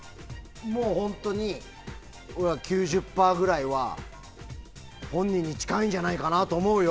もう、本当に９０％くらいは本人に近いんじゃないかと思うよ。